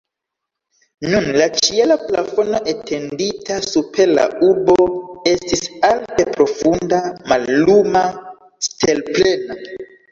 Nun la ĉiela plafono etendita super la urbo estis alte profunda, malluma, stelplena.